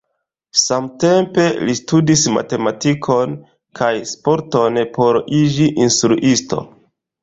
Samtempe li studis matematikon kaj sporton por iĝi instruisto.